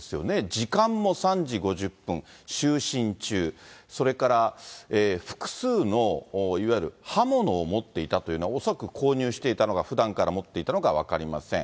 時間も３時５０分、就寝中、それから複数のいわゆる刃物を持っていたというのは、恐らく購入していたのか、ふだんから持っていたのか分かりません。